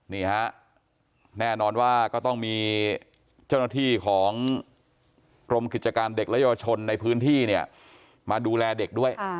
นี่ฮะแน่นอนว่าก็ต้องมีเจ้าหน้าที่ของกรมกิจการเด็กและเยาวชนในพื้นที่เนี่ยมาดูแลเด็กด้วย